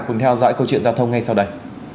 cùng theo dõi câu chuyện giao thông ngay sau đây